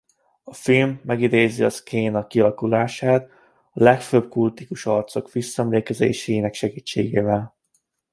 A film megidézi a szcéna kialakulását a legfőbb kultikus arcok visszaemlékezéseinek segítségével.